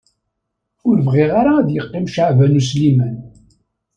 Ur bɣiɣ ara ad yeqqim Caɛban U Sliman.